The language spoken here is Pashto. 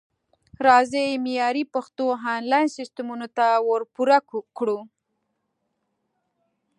راځئ معیاري پښتو انلاین سیستمونو ته ورپوره کړو